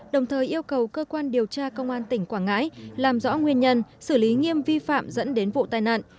đồng thời yêu cầu cơ quan điều tra công an tỉnh quảng ngãi làm rõ nguyên nhân xử lý nghiêm vi phạm dẫn đến vụ tai nạn